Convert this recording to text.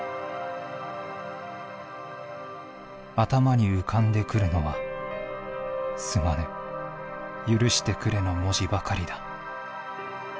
「頭に浮かんでくるのは『済まぬ』『許してくれ』の文字ばかりだ」。